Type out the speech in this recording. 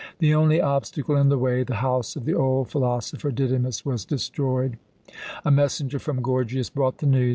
The only obstacle in the way, the house of the old philosopher Didymus, was destroyed. A messenger from Gorgias brought the news.